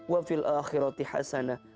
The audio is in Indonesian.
wafil akhirati hasanah